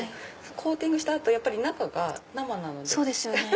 コーティングした後やっぱり中が生なので。